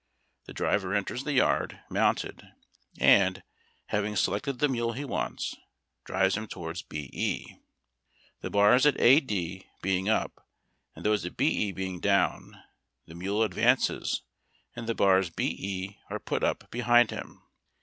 The driver enters the yard, mounted, and, having se lected the mule he wants, drives him ^ cokrm toward BE. The bars at AD be ing up, and those at BE being down, the mule advances and the bars BE are put up behind him.